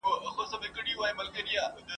ورو په ورو یې ور په زړه زړې نغمې کړې ,